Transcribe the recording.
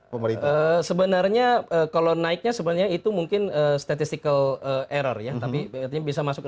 pemerintah sebenarnya kalau naiknya sebenarnya itu mungkin statistical error ya tapi artinya bisa masuk ke